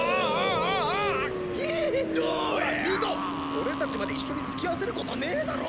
俺たちまで一緒につきあわせることねえだろ！